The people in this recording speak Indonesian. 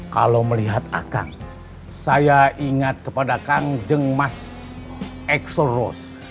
kalau melihat ah kang saya ingat kepada kang jeng mas axel rose